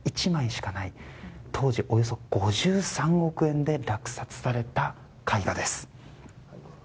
１枚しかない当時およそ５３億円で落札された絵画です。